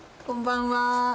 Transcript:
こんばんは。